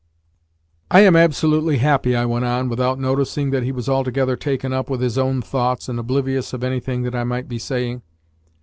"I am absolutely happy," I went on, without noticing that he was altogether taken up with his own thoughts and oblivious of anything that I might be saying.